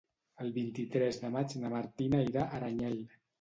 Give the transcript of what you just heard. El vint-i-tres de maig na Martina irà a Aranyel.